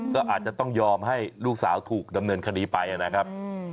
ก็อาจจะต้องยอมให้ลูกสาวถูกดำเนินคดีไปนะครับ